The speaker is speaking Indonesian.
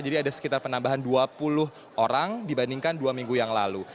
jadi ada sekitar penambahan dua puluh orang dibandingkan dua minggu yang lalu